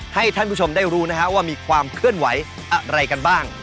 ให้ท่านผู้ชมได้รู้นะฮะว่ามีความเคลื่อนไหวอะไรกันบ้าง